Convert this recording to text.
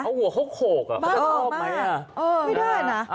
เอาหัวเค้าโขกอ่ะบ้าออกมากไม่ได้นะ